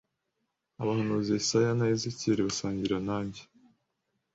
Abahanuzi Yesaya na Ezekiyeli basangira nanjye